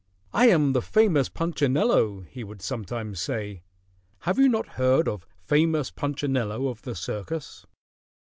"I am the famous Punchinello," he would sometimes say. "Have you not heard of famous Punchinello of the circus?"